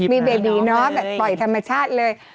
มีเบบีเนาะแบบปล่อยธรรมชาติเลย